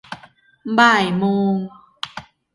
บ่ายโมง